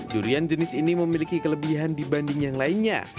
durian jenis ini memiliki kelebihan dibanding yang lainnya